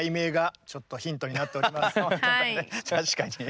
確かに。